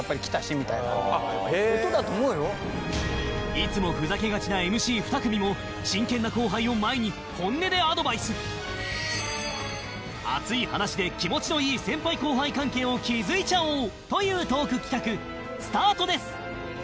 いつもふざけがちな ＭＣ２ 組も真剣な後輩を前に熱い話で気持ちのいい先輩後輩関係を築いちゃおう！というトーク企画スタートです